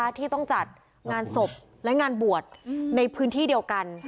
ที่ต้องจัดงานศพและงานบวชในพื้นที่เดียวกัน